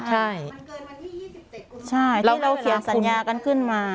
ใช่ใช่ที่เราเขียนสัญญากันขึ้นมา